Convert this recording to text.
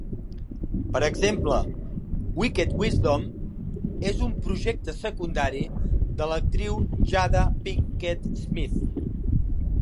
Per exemple, Wicked Wisdom és un "projecte secundari" de l'actriu Jada Pinkett Smith.